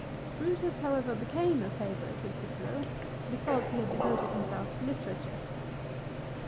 1 Brutus, however, became a favourite with Cicero, because he had devoted himself to literature.